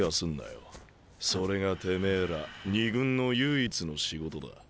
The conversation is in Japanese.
それがてめえら２軍の唯一の仕事だ。